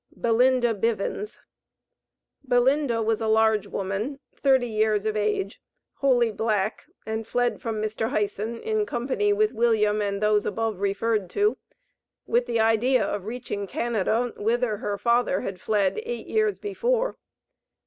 Belinda Bivans. Belinda was a large woman, thirty years of age, wholly black, and fled from Mr. Hyson, in company with William, and those above referred to, with the idea of reaching Canada, whither her father had fled eight years before.